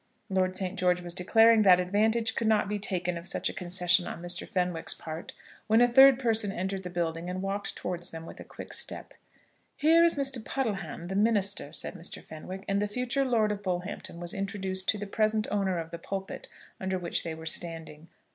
Lord St. George was declaring that advantage could not be taken of such a concession on Mr. Fenwick's part, when a third person entered the building, and walked towards them with a quick step. "Here is Mr. Puddleham, the minister," said Mr. Fenwick; and the future lord of Bullhampton was introduced to the present owner of the pulpit under which they were standing.